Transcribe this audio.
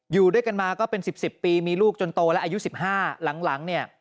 อยู่ด้วยกันมาก็เป็น๑๐ปีมีลูกจนโตและอายุ๑๕หลังเนี่ย